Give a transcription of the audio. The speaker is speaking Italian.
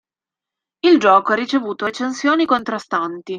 Il gioco ha ricevuto recensioni contrastanti.